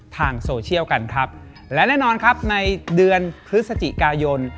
ทางโซเชียลกันครับและแน่นอนครับในเดือนพฤศจิกายน